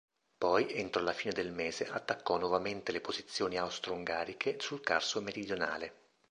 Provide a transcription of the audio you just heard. Poi entro la fine del mese attaccò nuovamente le posizioni austroungariche sul Carso meridionale.